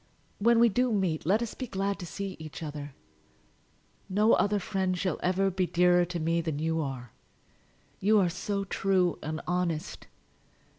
When we do meet let us be glad to see each other. No other friend shall ever be dearer to me than you are. You are so true and honest!